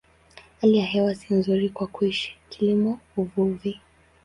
Hali ya hewa ni nzuri kwa kuishi, kilimo, uvuvi.